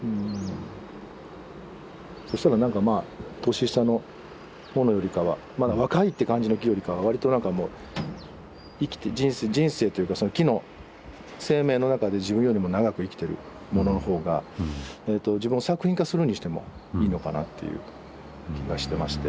そしたらなんかまあ年下の方のよりかはまだ若いって感じの木よりかは割となんかもう生きて人生というかその木の生命の中で自分よりも長く生きてるものの方が自分を作品化するにしてもいいのかなっていう気がしてまして。